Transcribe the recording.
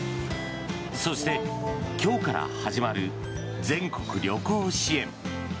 そして、今日から始まる全国旅行支援。